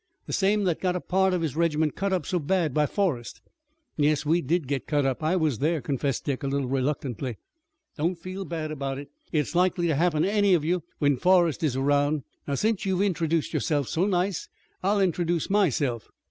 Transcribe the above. The same that got a part of his regiment cut up so bad by Forrest." "Yes, we did get cut up. I was there," confessed Dick a little reluctantly. "Don't feel bad about it. It's likely to happen to any of you when Forrest is around. Now, since you've introduced yourself so nice I'll introduce myself.